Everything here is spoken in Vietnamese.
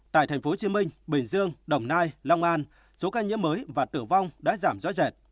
tại tp hcm bình dương đồng nai long an số ca nhiễm mới và tử vong đã giảm rõ rệt